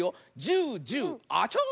ジュジュアチョー！